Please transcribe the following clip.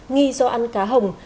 nghi do ăn cá hồng